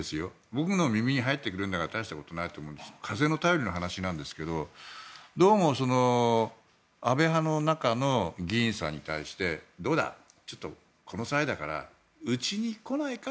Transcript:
僕の耳に入ってくるんだから大したことないと思うんですがどうも安倍派の中の議員さんに対してどうだ、ちょっとこの際だからうちに来ないか？